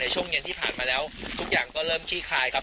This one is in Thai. ช่วงเย็นที่ผ่านมาแล้วทุกอย่างก็เริ่มขี้คลายครับ